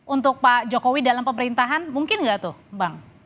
untuk pak jokowi dalam pemerintahan mungkin nggak tuh bang